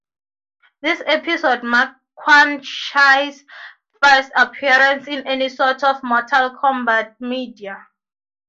This episode marked Quan Chi's first appearance in any sort of "Mortal Kombat" media.